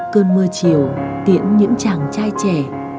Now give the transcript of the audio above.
cơn mưa chiều tiễn những chàng trai trẻ